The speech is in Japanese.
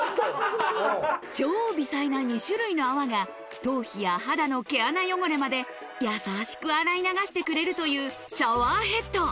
超微細な２種類の泡が頭皮や肌の毛穴汚れまで優しく洗い流してくれるというシャワーヘッド。